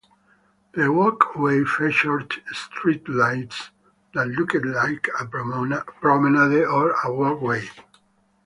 The walkway featured streetlights that looked liked a promenade or a walkway.